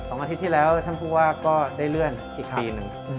อาทิตย์ที่แล้วท่านผู้ว่าก็ได้เลื่อนอีกปีหนึ่ง